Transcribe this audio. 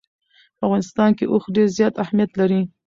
په افغانستان کې اوښ ډېر زیات اهمیت لري.